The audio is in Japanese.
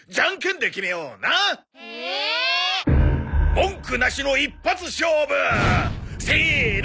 文句なしの一発勝負！せの！